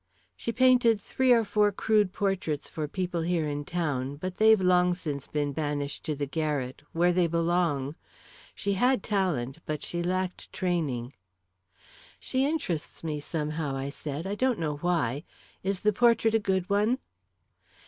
"She painted three or four crude portraits for people here in town, but they've long since been banished to the garret where they belong. She had talent, but she lacked training." "She interests me, somehow," I said. "I don't know why. Is the portrait a good one?"